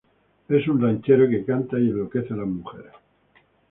Es un ranchero, que canta y enloquece a las mujeres.